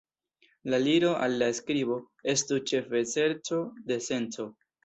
La aliro al la skribo estu ĉefe serĉo de senco.